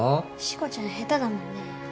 しこちゃん下手だもんね。